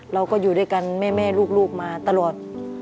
เราก็อยู่ด้วยกันแม่ลูกมาตลอด